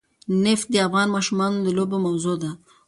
نفت د افغان ماشومانو د لوبو موضوع ده.